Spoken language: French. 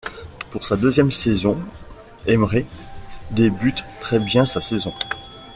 Pour sa deuxième saison Emre débute très bien sa saison.